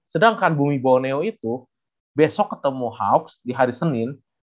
sedangkan bumi boneo itu besok ketemu hoax di hari senin